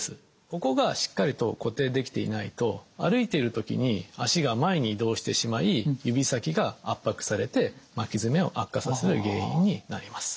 ここがしっかりと固定できていないと歩いている時に足が前に移動してしまい指先が圧迫されて巻き爪を悪化させる原因になります。